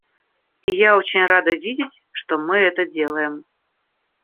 И я очень рада видеть, что мы это делаем.